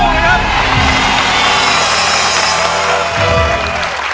สู้นะครับ